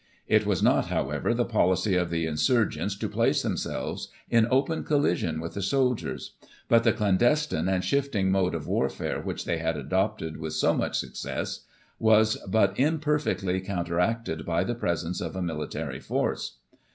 It was not, however, the policy of the insurgents to place themselves in open collision with the soldiers; but the clandestine and shifting mode of warfare which they had adopted with so much success, was but im perfectly counteracted by the presence of a military force.